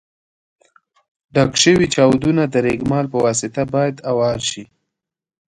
ډک شوي چاودونه د رېګمال په واسطه باید اوار شي.